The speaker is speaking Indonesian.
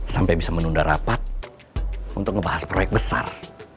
sampai bisa menunda rapat untuk membahas proyek besar